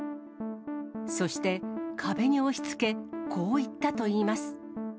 そして、壁に押しつけ、こういったと言います。